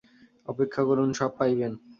অপেক্ষা করুন, সব পাইবেন।